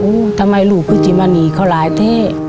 อู้ทำไมลูกพิษิมานี่เข้าหลายเท่